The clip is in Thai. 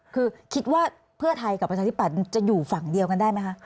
คือคิดว่าเพื่อไทยกับประชาธิปัตย์จะอยู่ฝั่งเดียวกันได้ไหมคะ